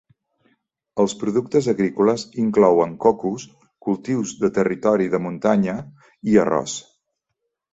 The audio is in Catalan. Els productes agrícoles inclouen cocos, cultius de territori de muntanya i arròs.